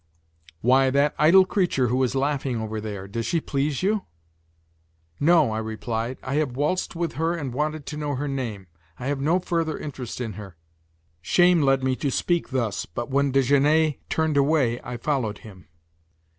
"Why, that idle creature who is laughing over there. Does she please you?" "No," I replied, "I have waltzed with her and wanted to know her name; I have no further interest in her." Shame led me to speak thus, but when Desgenais turned away I followed him.